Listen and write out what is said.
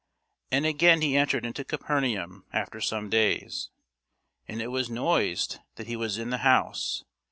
[Sidenote: St. Luke 6] And again he entered into Capernaum after some days; and it was noised that he was in the house.